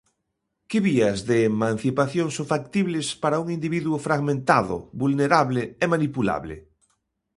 Que vías de emancipación son factibles para un individuo fragmentado, vulnerable e manipulable?